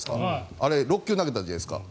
あれ６球投げたじゃないですか。